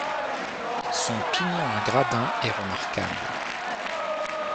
Son pignon à gradins est remarquable.